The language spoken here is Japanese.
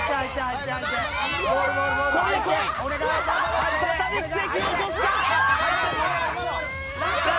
再び奇跡を起こすか？